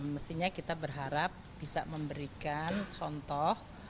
mestinya kita berharap bisa memberikan contoh